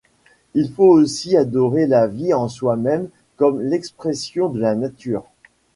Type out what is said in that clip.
Il faut aussi adorer la vie en soi-même comme l'expression de la nature.